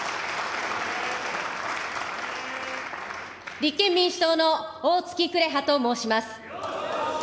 立憲民主党のおおつき紅葉と申します。